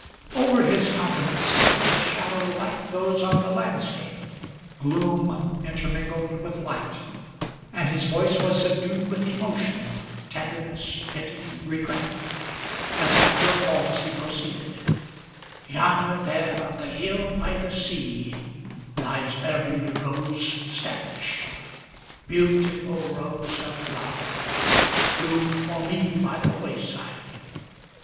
Over his countenance flitted a shadow like those on the landscape, Gloom intermingled with light; and his voice was subdued with emotion, Tenderness, pity, regret, as after a pause he proceeded: "Yonder there, on the hill by the sea, lies buried Rose Standish; Beautiful rose of love, that bloomed for me by the wayside!